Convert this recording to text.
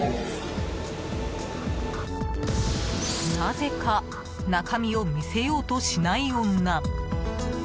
なぜか中身を見せようとしない女。